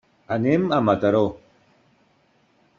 Anem a Mataró.